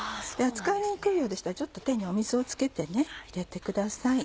扱いにくいようでしたらちょっと手に水を付けて入れてください。